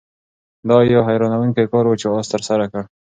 دا یو حیرانوونکی کار و چې آس ترسره کړ.